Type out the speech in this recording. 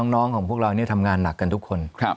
น้องของพวกเราทำงานหนักกันทุกคน